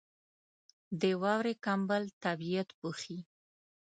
• د واورې کمبل طبیعت پوښي.